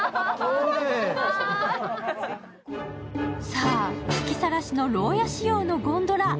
さあ、吹きさらしの牢屋仕様のゴンドラ。